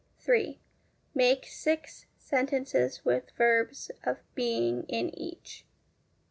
3. Make six sentences with verbs of being in each.